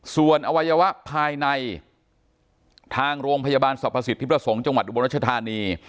ส่วนอวัยวะภายในทางโรงพยาบาลสรรพสิทธิประสงค์จังหวัดอุบลรัชธานี